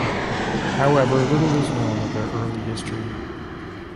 However, little is known of their early history.